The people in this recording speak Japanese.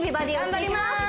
頑張りまーす！